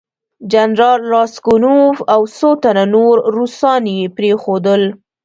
جنرال راسګونوف او څو تنه نور روسان یې پرېښودل.